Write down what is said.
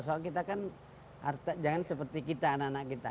soal kita kan jangan seperti kita anak anak kita